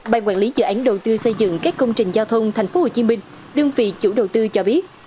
ban quản lý dự án đầu tư xây dựng các công trình giao thông tp hcm đơn vị chủ đầu tư cho biết